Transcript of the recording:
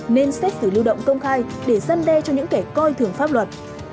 nên xét xử lưu động công khai để dân đe cho những kẻ coi thường pháp luật